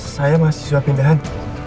saya masih suap pindahan